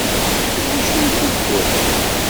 Iwacu i t-id-tuɣem?